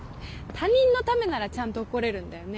他人のためならちゃんと怒れるんだよね。